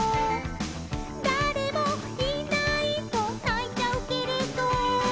「だれもいないとないちゃうけれど」